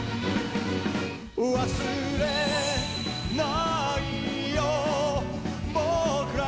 「忘れないよ僕ら」